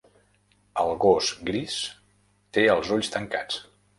El gos gris té els ulls tancats.